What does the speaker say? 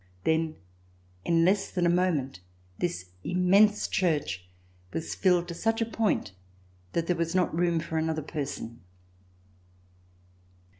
Then, in less than a moment, this immense church was filled to such a point that there was not room for another person.